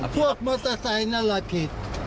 พวกมอเตอร์ไซค์นั่นแหละผิด